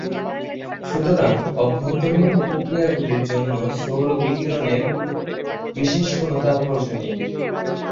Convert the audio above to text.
সুতরাং অভ্যন্তরীণ প্রক্রিয়াগুলির জন্য সৌর বিকিরণের বিশেষ কোন তাৎপর্য নেই।